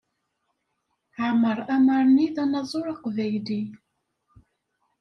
Aɛmar Amarni d anaẓur aqbayli.